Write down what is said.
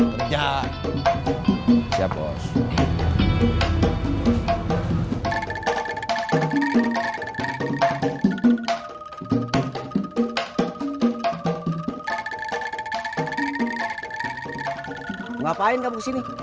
mau ngapain kamu kesini